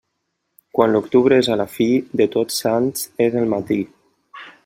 Quan l'octubre és a la fi, de Tots Sants és el matí.